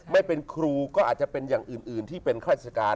ไม่เป็นครูก็อาจจะเป็นอย่างอื่นที่เป็นข้าราชการ